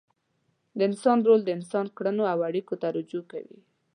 د انسان رول د انسان کړنو او اړیکو ته رجوع کوي.